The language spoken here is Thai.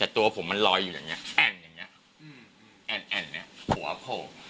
แต่ตัวผมมันลอยอยู่อย่างนี้แอ่นอย่างนี้แอ่นแอ่นเนี่ยหัวโผล่